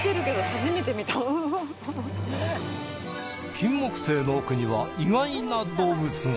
キンモクセイの奥には意外な動物が。